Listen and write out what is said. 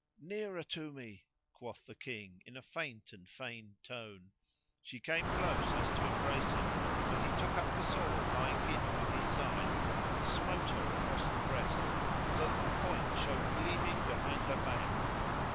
"Nearer to me," quoth the King in a faint and feigned tone. She came close as to embrace him when he took up the sword lying hid by his side and smote her across the breast, so that the point showed gleaming behind her back.